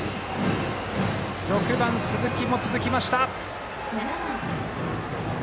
６番、鈴木も続きました。